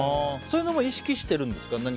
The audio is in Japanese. そういうのも意識してるんですか？